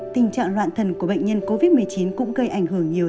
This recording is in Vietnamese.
tình trạng loạn thần của bệnh nhân covid một mươi chín cũng gây ảnh hưởng nhiều